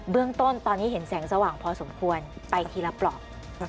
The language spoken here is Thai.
เรื่องต้นตอนนี้เห็นแสงสว่างพอสมควรไปทีละปลอก